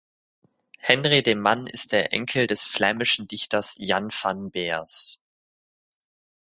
Henri de Man ist der Enkel des flämischen Dichters Jan van Beers.